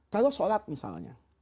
kalau sholat misalnya